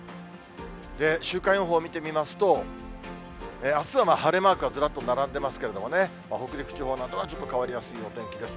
週間予報見てみますと、あすは晴れマークがずらっと並んでますけれどもね、北陸地方などはちょっと変わりやすいお天気です。